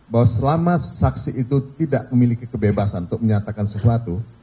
bahwa selama saksi itu tidak memiliki kebebasan untuk menyatakan sesuatu